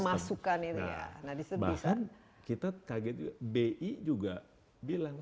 bahkan kita kaget juga bi juga bilang